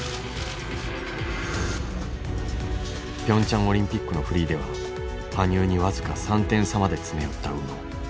ピョンチャンオリンピックのフリーでは羽生に僅か３点差まで詰め寄った宇野。